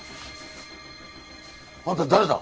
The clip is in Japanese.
あんた誰だ？